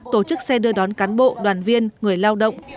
tổ chức xe đưa đón cán bộ đoàn viên người lao động